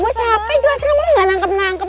gue capek jelasin lo gak nangkep nangkep